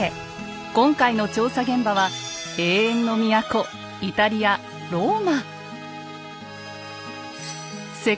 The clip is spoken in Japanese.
今回の調査現場は永遠の都イタリアローマ。